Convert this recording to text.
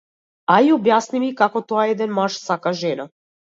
Ај објасни ми како тоа еден маж сака жена.